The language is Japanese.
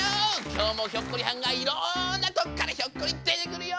今日もひょっこりはんがいろんなとこからひょっこり出てくるよ！